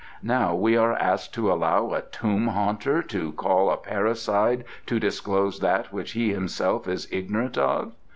Now we are asked to allow a tomb haunter to call a parricide to disclose that which he himself is ignorant of.